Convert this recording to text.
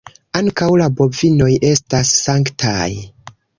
Ankaŭ la bovinoj estas sanktaj.